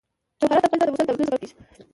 جواهرات د افغانستان د موسم د بدلون سبب کېږي.